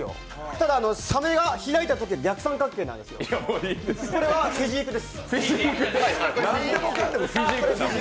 ただサメが開いたとき、逆三角形です、それはフィジークです。